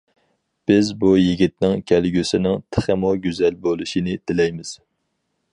بىز بۇ يىگىتنىڭ كەلگۈسىنىڭ تېخىمۇ گۈزەل بولۇشىنى تىلەيمىز.